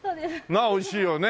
なあ美味しいよね。